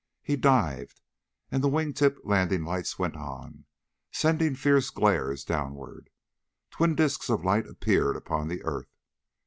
He dived, and the wing tip landing lights went on, sending fierce glares downward. Twin disks of light appeared upon the earth.